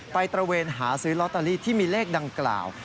ตระเวนหาซื้อลอตเตอรี่ที่มีเลขดังกล่าว